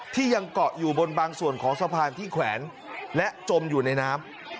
ที่ยังเกาะอยู่บนบางส่วนของสะพานที่แขวนและจมอยู่ในน้ำ